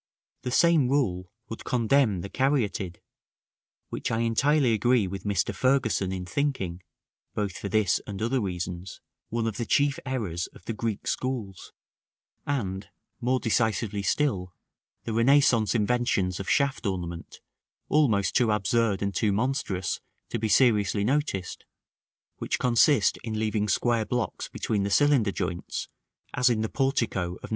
The same rule would condemn the Caryatid; which I entirely agree with Mr. Fergusson in thinking (both for this and other reasons) one of the chief errors of the Greek schools; and, more decisively still, the Renaissance inventions of shaft ornament, almost too absurd and too monstrous to be seriously noticed, which consist in leaving square blocks between the cylinder joints, as in the portico of No.